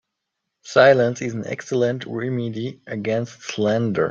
Silence is an excellent remedy against slander.